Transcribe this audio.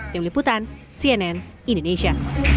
tim liputan cnn indonesia